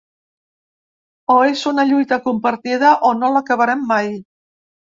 O és una lluita compartida, o no l’acabarem mai.